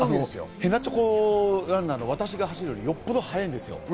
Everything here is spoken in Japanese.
へなちょこランナーの私が走るよりよっぽど速いんですよ。